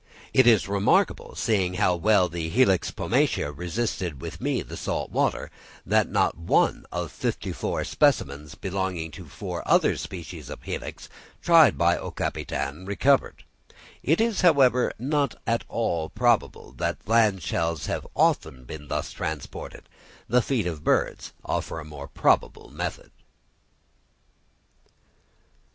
It is remarkable, seeing how well the Helix pomatia resisted with me the salt water, that not one of fifty four specimens belonging to four other species of Helix tried by Aucapitaine recovered. It is, however, not at all probable that land shells have often been thus transported; the feet of birds offer a more probable method.